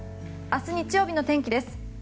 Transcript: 明日、日曜日の天気です。